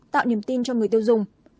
tạo niềm tin cho người tiêu dùng